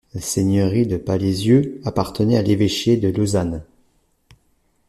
La seigneurie de Palézieux appartenait à l'évêché de Lausanne.